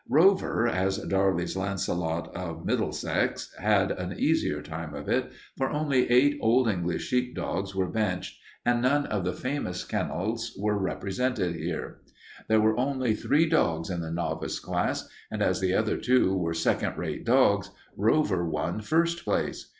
Rover, as Darley's Launcelot of Middlesex, had an easier time of it, for only eight Old English sheepdogs were benched and none of the famous kennels were represented here. There were only three dogs in the novice class, and as the other two were second rate dogs, Rover won first place.